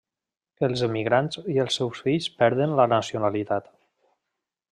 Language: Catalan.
Els emigrats i els seus fills perden la nacionalitat.